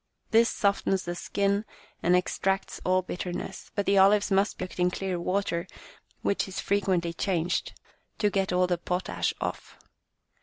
This softens the skin and extracts all bitterness, but the olives must be soaked in clear water, which is fre quently changed to get all the potash off.